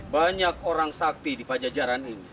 banyak orang sakti di pajajaran ini